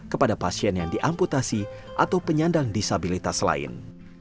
kepada pasien yang diamputasi atau penyandang disabilitas lain